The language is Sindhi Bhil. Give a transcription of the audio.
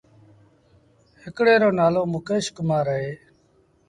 هڪڙي روٚ نآلو مڪيش ڪمآر اهي۔